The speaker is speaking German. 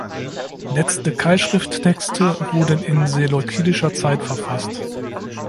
Letzte Keilschrifttexte wurden in seleukidischer Zeit verfasst.